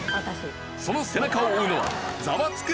その背中を追うのはザワつく！